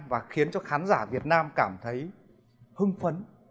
và khiến cho khán giả việt nam cảm thấy hưng phấn